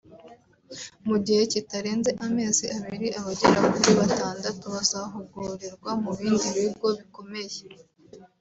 Mu gihe kitarenze amezi abiri abagera kuri batandatu bazahugurirwa mu bindi bigo bikomeye